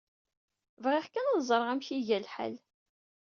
Bɣiɣ kan ad ẓreɣ amek iga lḥal.